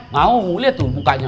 mau lihat tuh mukanya